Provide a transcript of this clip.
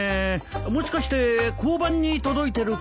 もしかして交番に届いてるかも。